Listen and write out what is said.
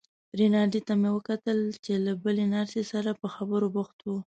رینالډي ته مو وکتل چې له بلې نرسې سره په خبرو بوخت و.